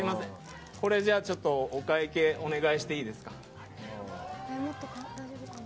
これ、お会計お願いしていいですか。